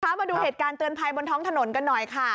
มาดูเหตุการณ์เตือนภัยบนท้องถนนกันหน่อยค่ะ